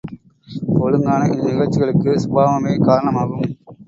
ஒழுங்கான இந்நிகழ்ச்சிகளுக்கு சுபாவமே காரணமாகும்.